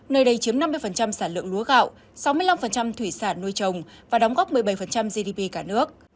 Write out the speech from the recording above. nơi đây chiếm năm mươi sản lượng lúa gạo sáu mươi năm thủy sản nuôi trồng và đóng góp một mươi bảy gdp cả nước